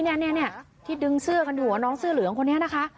เนี่ยที่ดึงเสื้อกันอยู่น้องเสื้อเหลืองคนนี้นะคะ